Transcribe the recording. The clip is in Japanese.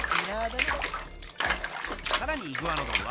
さらにイグアノドンは。